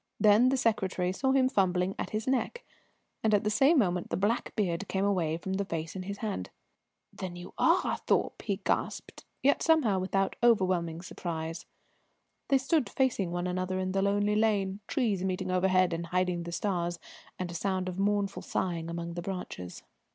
Then the secretary saw him fumbling at his neck, and at the same moment the black beard came away from the face in his hand. "Then you are Thorpe!" he gasped, yet somehow without overwhelming surprise. They stood facing one another in the lonely lane, trees meeting overhead and hiding the stars, and a sound of mournful sighing among the branches.